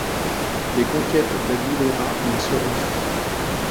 Les conquêtes d'Aguilera ne survivent pas.